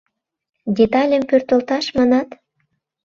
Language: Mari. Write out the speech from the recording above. Детальым пӧртылташ, манат?..